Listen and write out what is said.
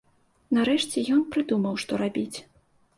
Нарэшце ён прыдумаў, што рабіць.